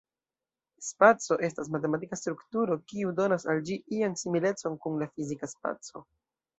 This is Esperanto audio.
Spaco estas matematika strukturo, kiu donas al ĝi ian similecon kun la fizika spaco.